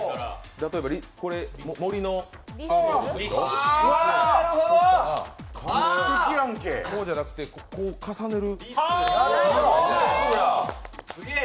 例えば、森のりすこうじゃなくて、こう重ねる。